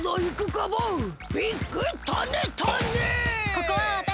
ここはわたしが！